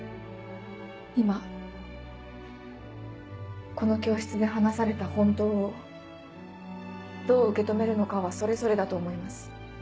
今この教室で話された「本当」をどう受け止めるのかはそれぞれだと思います。